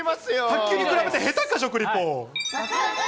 卓球に比べて下手か、食リポ。